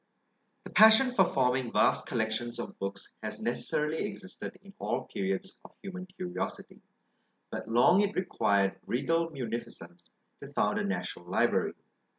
The passion for forming vast collections of books has necessarily existed in all periods of human curiosity; but long it required regal munificence to found a national library.